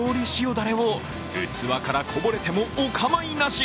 だれを器からこぼれてもお構いなし。